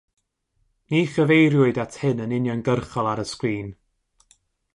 Ni chyfeiriwyd at hyn yn uniongyrchol ar y sgrin.